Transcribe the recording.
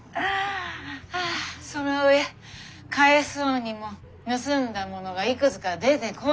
そのうえ返そうにも盗んだものがいくつか出てこない。